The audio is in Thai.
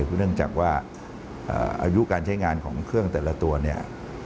คือเนื่องจากว่าอายุการใช้งานของเครื่องแต่ละตัวเนี่ย